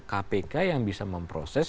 kpk yang bisa memproses